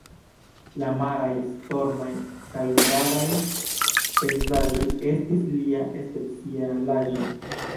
La maraj, stormaj kaj vrakaj pejzaĝoj estis lia specialaĵo.